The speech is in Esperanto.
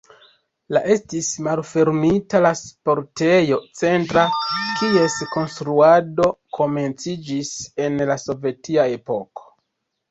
La estis malfermita la sportejo Centra, kies konstruado komenciĝis en la sovetia epoko.